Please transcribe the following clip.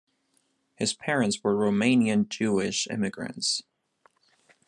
His parents were Romanian Jewish immigrants.